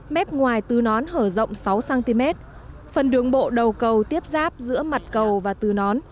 mép ngoài tư nón hở rộng sáu cm phần đường bộ đầu cầu tiếp ráp giữa mặt cầu và tư nón